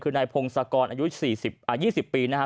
คือนายพงศกรอายุ๒๐ปีนะครับ